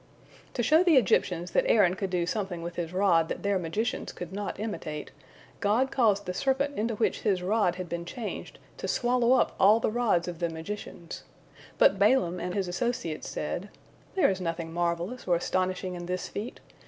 To show the Egyptians that Aaron could do something with his rod that their magicians could not imitate, God caused the serpent into which His rod had been changed to swallow up all the rods of the magicians. But Balaam and his associates said: "There is nothing marvellous or astonishing in this feat.